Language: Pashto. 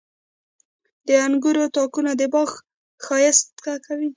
• د انګورو تاکونه د باغ ښایست کوي.